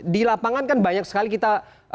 di lapangan kan banyak sekali kita